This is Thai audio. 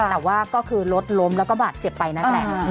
แต่ก็คือรถล้มและบาดเจ็บไปนะคะ